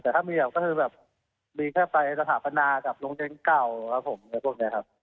แต่ถ้ามีก็คือแบบมีแค่ไปสถาบันนะกับลงเจ็นเก่าครับผม